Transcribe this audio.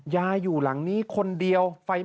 ย่ายอยู่หลังนี้คนเดียวไฟไหม้